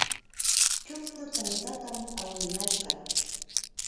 chukru tantatam awnimashqa.